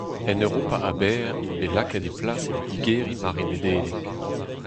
En Europa a-bezh int bet lakaet e plas evit digeriñ mare Nedeleg.